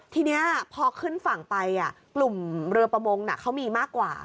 ทีนี้พอขึ้นฝั่งไปกลุ่มเรือประมงเขามีมากกว่า